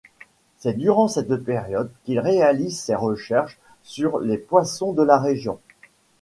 C’est durant cette période qu’il réalise ces recherches sur les poissons de la région.